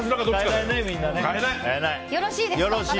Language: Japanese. よろしいですか。